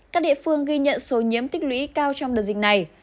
các địa phương ghi nhận số nhiễm tích lũy cao trong đợt dịch này